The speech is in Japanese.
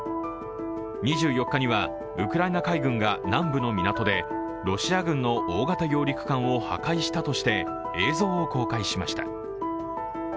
２４日にはウクライナ海軍が南部の港でロシア軍の大型揚陸艦を破壊したとして映像を公開しました。